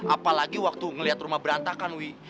apalagi waktu ngeliat rumah berantakan wi